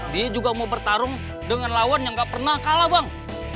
dia juga mau bertarung dengan lawan yang gak pernah kalah bang